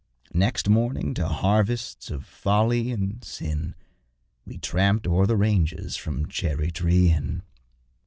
Next morning to harvests of folly and sin We tramped o'er the ranges from Cherry tree Inn.